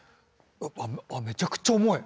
あっめちゃくちゃ重い。